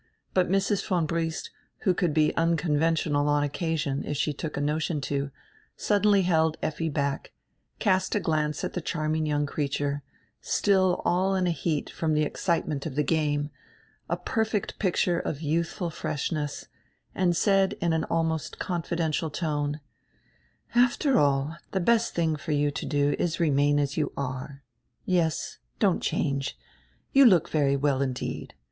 But Mrs. von Briest, who could be uncon ventional on occasion, if she took a notion to, suddenly held Effi back, cast a glance at die charming young creature, still all in a heat from the excitement of the game, a per fect picture of youthful freshness, and said in an almost confidential tone: "After all, die best tiling for you to do is to remain as you are. Yes, don't change. You look very well indeed.